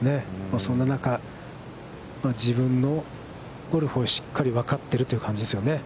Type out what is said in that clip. そんな中、自分のゴルフをしっかり分かってるという感じですよね。